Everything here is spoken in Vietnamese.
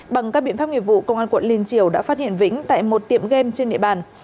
bằng các biện pháp nghiệp vụ công an quận liên triều đã phát hiện vĩnh tại một tiệm game trên địa bàn